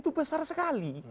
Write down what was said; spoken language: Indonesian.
itu besar sekali